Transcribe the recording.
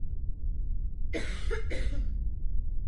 Sloup stojí vedle silnice obrácený jihozápadním směrem.